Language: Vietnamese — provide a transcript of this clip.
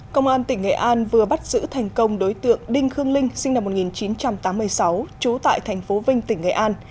công an tỉnh nghệ an vừa bắt giữ thành công đối tượng đinh khương linh sinh năm một nghìn chín trăm tám mươi sáu trú tại thành phố vinh tỉnh nghệ an